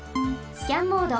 スキャンモード。